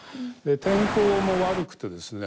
天候も悪くてですね